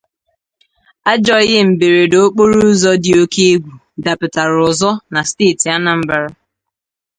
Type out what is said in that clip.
Ajọ ihe mberede okporo ụzọ dị oke égwù dapụtàrà ọzọ na steeti Anambra